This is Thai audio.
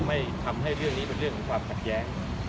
ไม่ทำให้เรื่องนี้เป็นเรื่องของความขัดแย้ง